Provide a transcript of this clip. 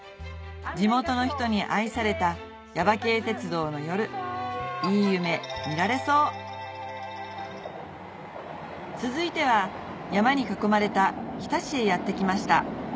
地元の人に愛された耶馬渓鉄道の夜いい夢見られそう続いては山に囲まれた日田市へやって来ました